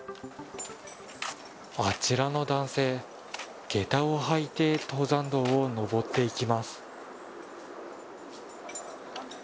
あちらの男性、げたを履いて登山道を登っていきます。